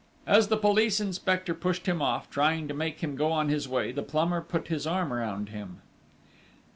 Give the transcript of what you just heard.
As the police inspector pushed him off, trying to make him go on his way, the plumber put his arm round him.